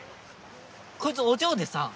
こいつお嬢でさ！